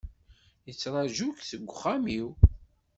Yettraju-k deg uxxam-iw.